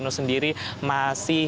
dan juga sel shifting nya di alianung